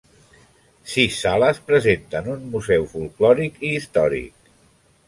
Sis sales presenten un museu folklòric i històric.